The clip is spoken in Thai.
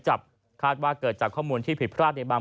จับคาดว่าเกิดจากข้อมูลที่ผิดพลาดในบาง